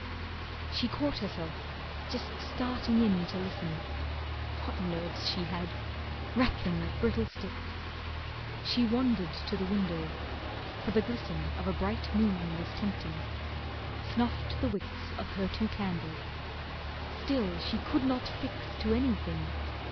She caught herself just starting in to listen. What nerves she had: rattling like brittle sticks! She wandered to the window, for the glisten Of a bright moon was tempting. Snuffed the wicks Of her two candles. Still she could not fix To anything.